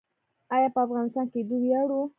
آیا په افغان کیدو ویاړو؟